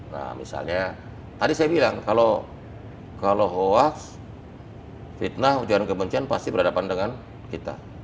nah misalnya tadi saya bilang kalau hoax fitnah ujaran kebencian pasti berhadapan dengan kita